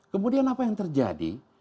kemudian apa yang terjadi